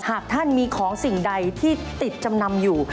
หากท่านมีของสิ่งใดที่ติดจำนำอยู่